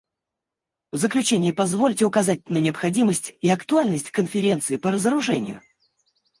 В заключение позвольте указать на необходимость и актуальность Конференции по разоружению.